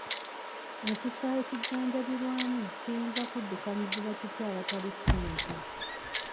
Ekifo ekijjanjabirwamu kiyinza kuddukanyizibwa kitya awatali ssente?